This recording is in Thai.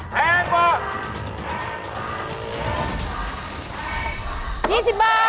แพงกว่าแพงกว่า